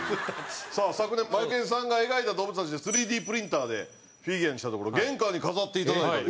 さあ昨年マエケンさんが描いた動物たちで３Ｄプリンターでフィギュアにしたところ。